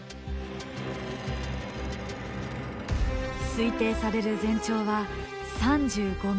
推定される全長は３５ｍ。